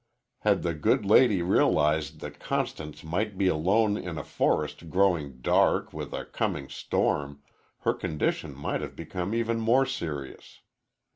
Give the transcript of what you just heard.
Had the good lady realized that Constance might be alone in a forest growing dark with a coming storm, her condition might have become even more serious.